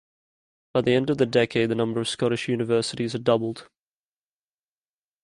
By the end of the decade the number of Scottish Universities had doubled.